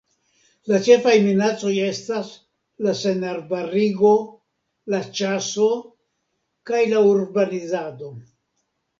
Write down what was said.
La ĉefaj minacoj estas la senarbarigo, la ĉaso kaj la urbanizado.